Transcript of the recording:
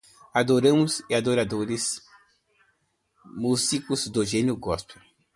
Adoradoras e adoradores, músicos do gênero gospel